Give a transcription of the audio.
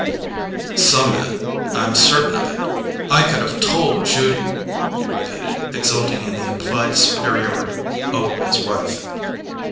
"Some men—I'm certain of it! I could have TOLD Judy," he repeated, exulting in the implied superiority over his wife.